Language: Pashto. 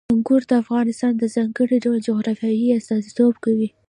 انګور د افغانستان د ځانګړي ډول جغرافیې استازیتوب کوي.